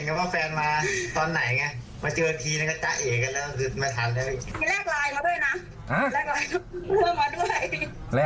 เพราะแฟนกลับโอ้สบายละอย่างงี้ท้านก็หลับ